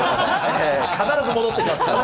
必ず戻ってきます。